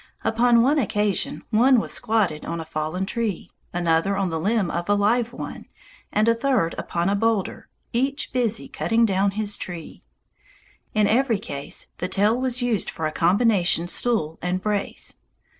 Upon one occasion, one was squatted on a fallen tree, another on the limb of a live one, and a third upon a boulder, each busy cutting down his tree. In every case, the tail was used for a combination stool and brace.